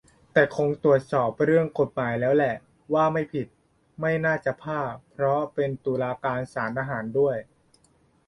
แต่คงตรวจสอบเรื่องกฎหมายแล้วแหละว่าไม่ผิด ไม่น่าจะพลาด เพราะเป็นตุลาการศาลทหารด้วย